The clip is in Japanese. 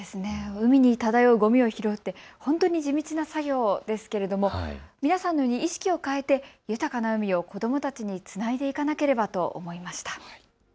海に漂うごみを拾う地道な作業ですけれども皆さん意識を変えて豊かな海を子どもたちにつないでいかなければと思いました。